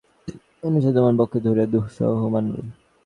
এনেছ তোমার বক্ষে ধরিয়া দুঃসহ হোমানল।